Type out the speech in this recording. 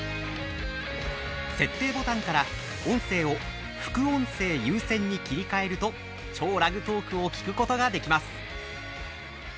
設定ボタンから音声を副音声優先に切り替えると「＃超ラグトーク」を聞くことができます。